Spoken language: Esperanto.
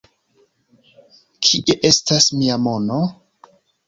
Kie estas mia mono?